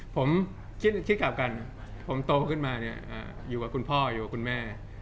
ผมคิดกลับกันผมโตขึ้นมาเนี่ยอยู่กับคุณพ่ออยู่กับคุณแม่